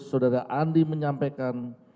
saudara andi menyampaikan